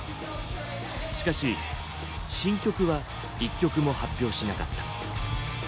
しかし新曲は一曲も発表しなかった。